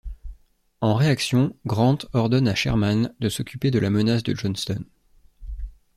En réaction Grant ordonne à Sherman de s'occuper de la menace de Johnston.